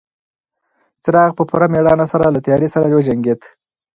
څراغ په پوره مېړانه سره له تیارې سره وجنګېد.